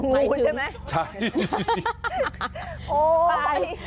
ไม่ถึงใช่